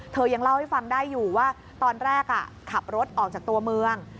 ยังเล่าให้ฟังได้อยู่ว่าตอนแรกขับรถออกจากตัวเมือง